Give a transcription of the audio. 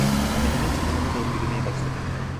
Amelenin çadırına doğru yürümeye başladık.